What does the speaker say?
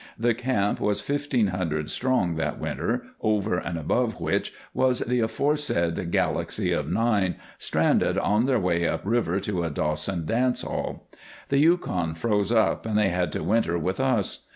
The camp was fifteen hundred strong that winter, over and above which was the aforesaid galaxy of nine, stranded on their way up river to a Dawson dance hall. The Yukon froze up and they had to winter with us.